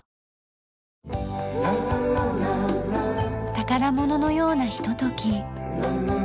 宝物のようなひととき。